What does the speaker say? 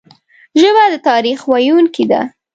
ژبه د تاریخ ویونکي ده